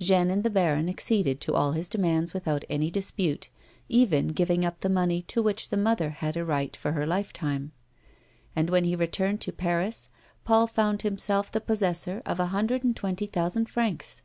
Jeanne and the baron acceded to all his demands without any dispute, even giving up the money to which the mother had a right for her life time, and when he returned to Paris^ Paul found himself the possessor of a hundred and twenty thousand francs.